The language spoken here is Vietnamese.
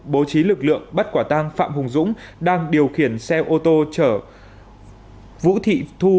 bố trí lực lượng bắt quả tang phạm hùng dũng đang điều khiển xe ô tô chở vũ thị thu